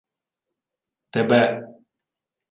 — Тебе.